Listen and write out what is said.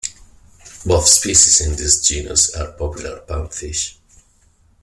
Both species in this genus are popular pan fish.